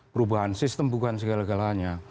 perubahan sistem bukan segala galanya